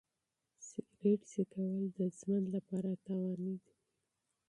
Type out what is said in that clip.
سګریټ د ژوند لپاره ښه نه دی.